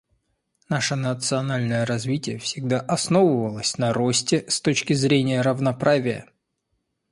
Наше национальное развитие всегда основывалось на росте с точки зрения равноправия.